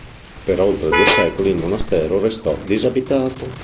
Per oltre due secoli il monastero restò disabitato.